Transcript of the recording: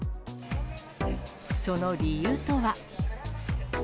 その理由とは。